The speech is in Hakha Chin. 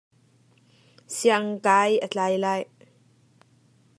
Sianginn kai a tlai lai.